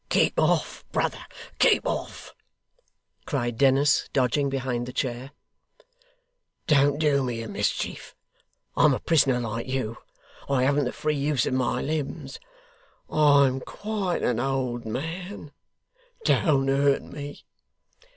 'Keep off, brother, keep off!' cried Dennis, dodging behind the chair. 'Don't do me a mischief. I'm a prisoner like you. I haven't the free use of my limbs. I'm quite an old man. Don't hurt me!